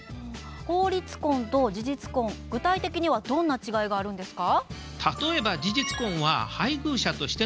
法律婚と事実婚具体的にはどんな違いがあるんですか？